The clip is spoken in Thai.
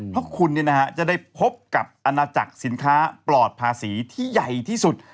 เพราะคุณจะได้พบกับอาณาจักรสินค้าปลอดภาษีที่ใหญ่ที่สุด